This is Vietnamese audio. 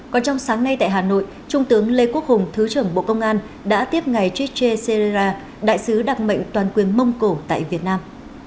còn trong sáng nay tại hà nội trung tướng lê quốc hùng thứ trưởng bộ công an đã tiếp ngày trichet serera đại sứ đặc mệnh toàn quyền mông cổ tại việt nam